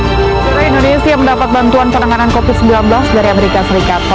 seluruh indonesia mendapat bantuan penanganan covid sembilan belas dari amerika serikat